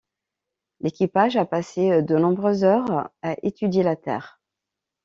L'équipage a passé de nombreuses heures à étudier la Terre.